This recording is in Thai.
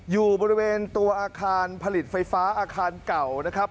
อยู่บริเวณตัวอาคารผลิตไฟฟ้าอาคารเก่านะครับ